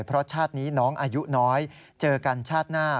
เพราะชาตินี้น้องอายุน้อยเจอกันชาติหน้า